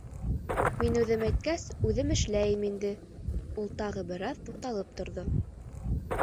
Мин үҙем әйткәс, үҙем эшләйем инде, — ул тағы бер аҙ туҡталып торҙо.